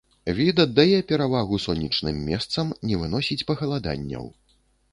Від аддае перавагу сонечным месцам, не выносіць пахаладанняў.